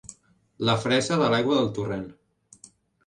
La fressa de l'aigua del torrent.